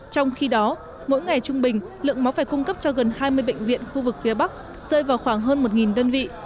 trong khi đó mỗi ngày trung bình lượng máu phải cung cấp cho gần hai mươi bệnh viện khu vực phía bắc rơi vào khoảng hơn một đơn vị